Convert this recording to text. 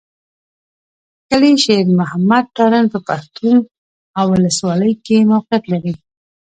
کلي شېر محمد تارڼ په پښتون اولسوالۍ کښې موقعيت لري.